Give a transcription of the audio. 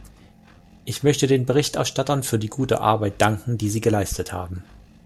Ich möchte den Berichterstattern für die gute Arbeit danken, die sie geleistet haben.